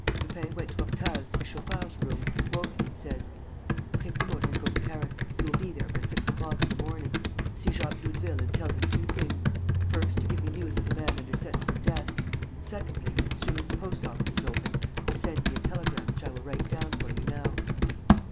..." Lupin went to Octave's, his chauffeur's, room, woke him and said: "Take the motor and go to Paris. You will be there by six o'clock in the morning. See Jacques Doudeville and tell him two things: first, to give me news of the man under sentence of death; and secondly, as soon as the post offices open, to send me a telegram which I will write down for you now.